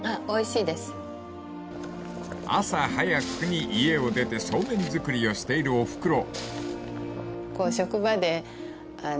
［朝早くに家を出てそうめん作りをしているおふくろ］